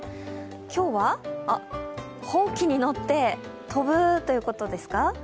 今日はほうきに乗って飛ぶということですか。